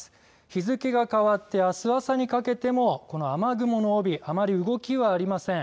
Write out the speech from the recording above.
日付が変わってあす朝にかけてもこの雨雲の帯あまり動きはありません。